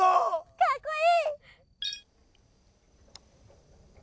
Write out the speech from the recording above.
かっこいい！